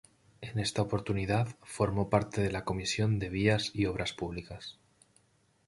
En esta oportunidad formó parte de la comisión de Vías y Obras Públicas.